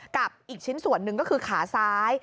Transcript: กับอีกชิ้นส่วนหนึ่งก็คือขาซ้าย